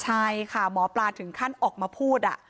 หมอปลาถึงขั้นออกมาพูด